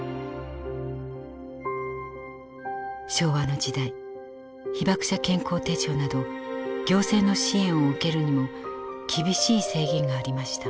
昭和の時代被爆者健康手帳など行政の支援を受けるにも厳しい制限がありました。